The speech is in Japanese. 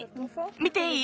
見ていい？